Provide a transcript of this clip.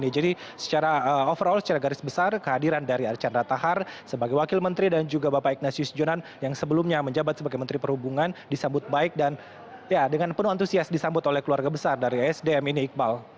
jadi secara overall secara garis besar kehadiran dari archandra tahar sebagai wakil menteri dan juga bapak ignatius jonan yang sebelumnya menjabat sebagai menteri perhubungan disambut baik dan dengan penuh antusias disambut oleh keluarga besar dari sdm ini iqbal